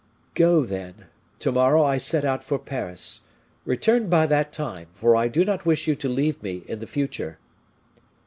"Go, then. To morrow I set out for Paris. Return by that time, for I do not wish you to leave me in the future."